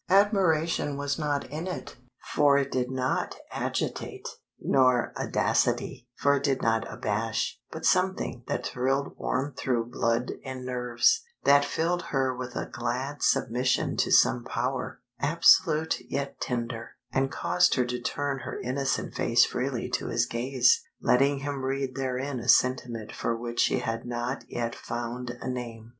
Admiration was not in it, for it did not agitate; nor audacity, for it did not abash; but something that thrilled warm through blood and nerves, that filled her with a glad submission to some power, absolute yet tender, and caused her to turn her innocent face freely to his gaze, letting him read therein a sentiment for which she had not yet found a name.